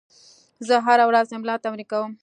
زه هره ورځ املا تمرین کوم.